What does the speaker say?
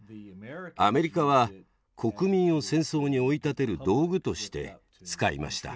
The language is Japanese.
アメリカは国民を戦争に追い立てる道具として使いました。